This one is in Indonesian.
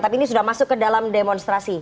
tapi ini sudah masuk ke dalam demonstrasi